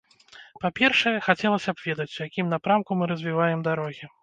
Па-першае, хацелася б ведаць, у якім напрамку мы развіваем дарогі.